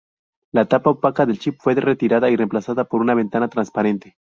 La tapa opaca del chip fue retirada y reemplazada con una ventana transparente.